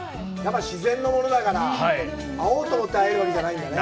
自然のものだから、会おうと思って会えるわけじゃないんだね。